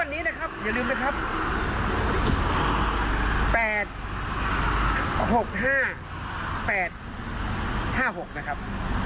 นี่ครับงวดนี้นะครับอย่าลืมนะครับ